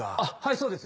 そうですよ。